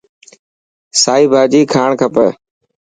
سائي ڀاڄي کائڻ کپي.